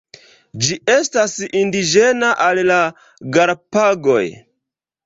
Ĝi estas indiĝena al la Galapagoj.